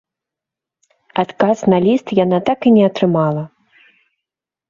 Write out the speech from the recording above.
Адказ на ліст яна так і не атрымала.